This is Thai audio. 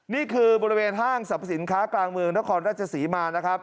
นี่คือบริเวณห้างสรรพสินค้ากลางเมืองนครราชศรีมานะครับ